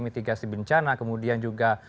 mitigasi bencana kemudian juga